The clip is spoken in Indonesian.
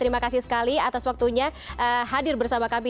terima kasih sekali atas waktunya hadir bersama kami